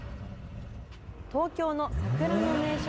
東京の桜の名所